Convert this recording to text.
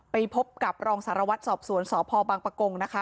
ไปพบกับรองสารวัตรสอบสวนสพบังปะกงนะคะ